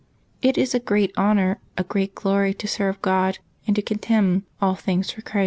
—'^ It is a great honor, a great glory to eerve God, and to contemn all things for God.